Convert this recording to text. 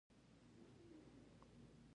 د شکرې دوهم ډول مقاومت دی.